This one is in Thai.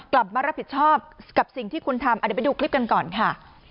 กลับมารับผิดชอบกับสิ่งที่คุณทำเดี๋ยวไปดูคลิปกันก่อนค่ะ